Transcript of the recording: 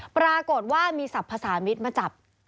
ปรากฏว่ามีศัพท์ภาษามิตรมาจับ